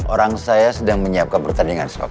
orang saya sedang menyiapkan pertandingan shock